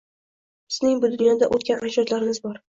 Bizning bu dunyodan o‘tgan ajdodlarimiz bor.